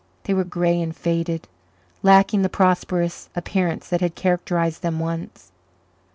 They were grey and faded, lacking the prosperous appearance that had characterized them once.